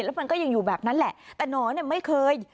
แล้วมันก็ยังอยู่แบบนั้นแหละแต่หนอนเนี่ยไม่เคย